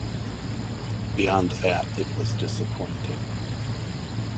Beyond that it was disappointing.